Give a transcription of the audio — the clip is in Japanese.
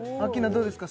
どうですか